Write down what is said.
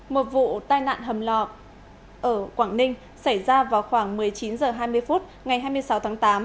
một vụ tai nạn hầm lọ ở quảng ninh xảy ra vào khoảng một mươi chín h hai mươi phút ngày hai mươi sáu tháng tám